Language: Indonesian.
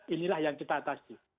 inilah yang kita atasi